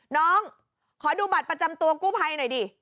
น้องขอดูบัตรประจำตัวกู้ภัยหน่อยดิ